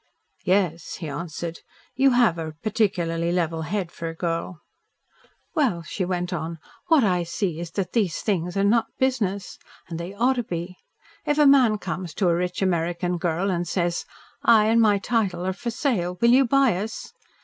"Yes," he answered, "you have a particularly level head for a girl." "Well," she went on. "What I see is that these things are not business, and they ought to be. If a man comes to a rich American girl and says, 'I and my title are for sale. Will you buy us?'